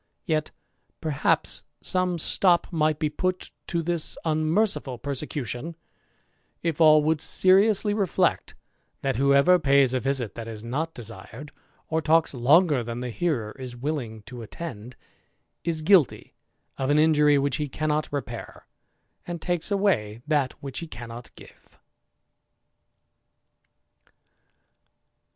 Yet, perhaps, some stop t be put to this unmerciful persecution, if all would jsly reflect, that whoever pays a visit that is not 2d, or talks longer than the hearer is willing to attend, ilty of an injury which he cannot repair, and takes that which he cannot give.